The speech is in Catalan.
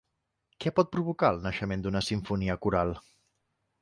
Què pot provocar el naixement d'una simfonia coral?